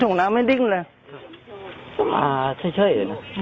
ถุงน้ำไม่ดิ้งเลย